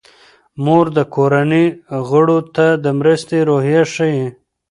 مور د کورنۍ غړو ته د مرستې روحیه ښيي.